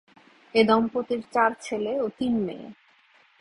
এ দম্পতির চার ছেলে ও তিন মেয়ে।